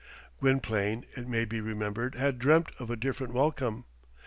'" Gwynplaine, it may be remembered, had dreamt of a different welcome.